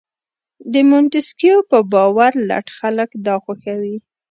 د مونتیسکیو په باور لټ خلک دا خوښوي.